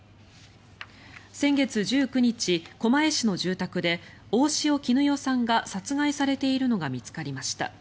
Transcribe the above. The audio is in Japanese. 先月１９日、狛江市の住宅で大塩衣與さんが殺害されているのが見つかりました。